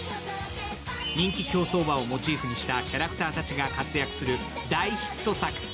人気競走馬をモチーフにしたキャラクターたちが大活躍する大ヒット作。